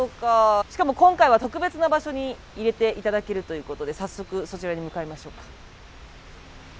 しかも今回は特別な場所に入れていただけるということで早速そちらに向かいましょうか。